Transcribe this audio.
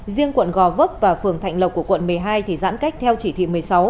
riêng quận gò vấp và phường thạnh lộc của quận một mươi hai thì giãn cách theo chỉ thị một mươi sáu